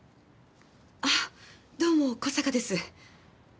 あっどうも小坂です。